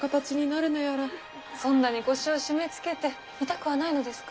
そんなに腰を締めつけて痛くはないのですか？